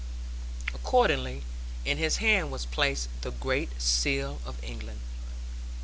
Accordingly in his hand was placed the Great Seal of England.